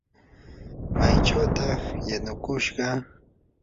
¿maychawtaq wanukushqa?